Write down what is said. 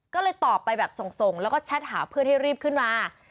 ก็เลยตอบไปแบบส่งแล้วก็แชทหาเพื่อนให้รีบขึ้นมา